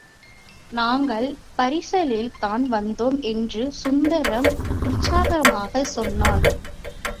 நாங்கள் பரிசலில் தான் வந்தோம் என்று சுந்தரம் உற்சாகமாகச் சொன்னான்.